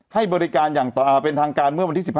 ให้บริการเป็นทางการเมื่อวันที่